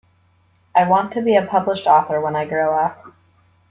I want to be a published author when I grow up.